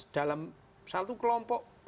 dalam satu kelompok